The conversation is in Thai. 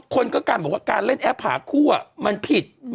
คนก็กลับบอกว่าการเล่นแอบหาคู่เหมือนผิด